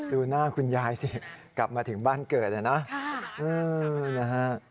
ดูหน้าคุณยายสิกลับมาถึงบ้านเกิดนะ